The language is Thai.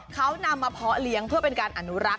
เขานำมาเพาะเลี้ยงเพื่อเป็นการอนุรักษ